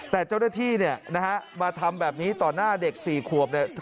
แต่เจ้าหน้าที่เนี่ยนะฮะมาทำแบบนี้ต่อหน้าเด็ก๔ขวบเนี่ย